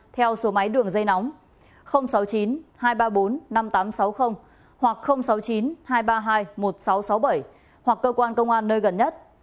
theo số máy đường dây nóng sáu mươi chín hai trăm ba mươi bốn năm nghìn tám trăm sáu mươi hoặc sáu mươi chín hai trăm ba mươi hai một nghìn sáu trăm sáu mươi bảy hoặc cơ quan công an nơi gần nhất